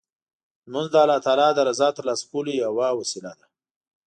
لمونځ د الله تعالی د رضا ترلاسه کولو یوه وسیله ده.